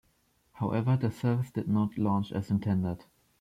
However, the service did not launch as intended.